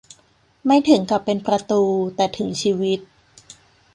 ไม่ถึงกับเป็นประตู แต่ถึงชีวิต